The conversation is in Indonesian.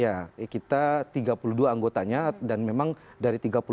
ya kita tiga puluh dua anggotanya dan memang dari tiga puluh empat itu juga ada yang menanggung